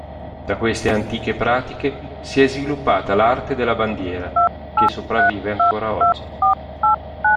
Da queste antiche pratiche si è sviluppata l'arte della bandiera, che sopravvive ancora oggi.